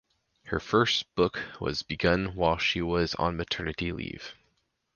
Her first book was begun while she was on maternity leave.